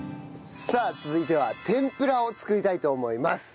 さあ続いては天ぷらを作りたいと思います。